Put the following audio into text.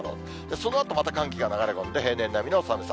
そのあと寒気がまた流れ込んで、平年並みの寒さ。